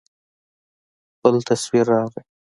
بل تصوير راغى.